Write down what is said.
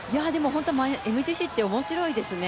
ＭＧＣって本当に面白いですね。